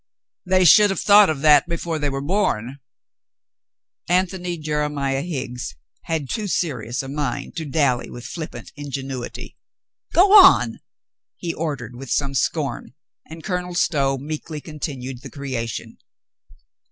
"They should have thought of that before they were born." Antony Jeremiah Higgs had too serious a mind to dally with flippant ingenuity. "Go on," he ordered with some scorn, and Colonel Stow meekly continued the creation.